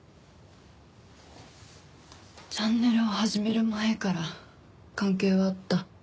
チャンネルを始める前から関係はあった。